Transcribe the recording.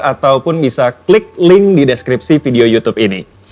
ataupun bisa klik link di deskripsi video youtube ini